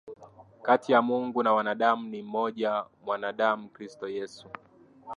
kati ya Mungu na wanadamu ni mmoja mwanadamu Kristo Yesu